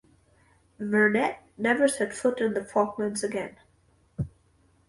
Vernet never set foot in the Falklands again.